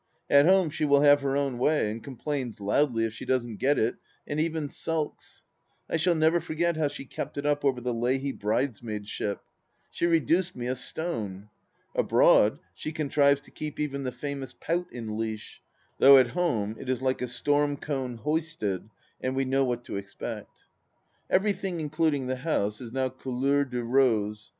At home she will have her own way, and com plains loudly if she doesn't get it, and even sulks. I shall never forget how she kept it up over the Leahy bridesmaidship. She reduced me a stone. Abroad, she contrives to keep even the famous pout in leash, though at home it is like a storm cone hoisted, and we know what to expect. Everything, including the house, is now couleur de rose.